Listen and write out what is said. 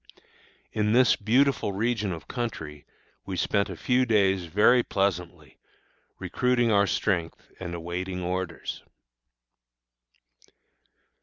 In this beautiful region of country we spent a few days very pleasantly, recruiting our strength and awaiting orders.